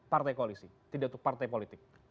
partai koalisi tidak untuk partai politik